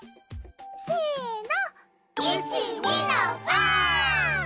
せの！